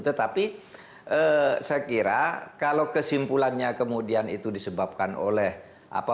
tetapi saya kira kalau kesimpulannya kemudian itu disebabkan oleh apa